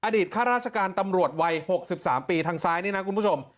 ข้าราชการตำรวจวัย๖๓ปีทางซ้ายนี่นะคุณผู้ชม